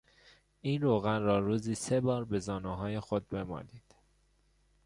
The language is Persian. این روغن را روزی سه بار به زانوهای خود بمالید.